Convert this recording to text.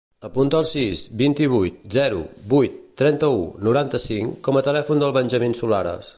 Apunta el sis, vint-i-vuit, zero, vuit, trenta-u, noranta-cinc com a telèfon del Benjamín Solares.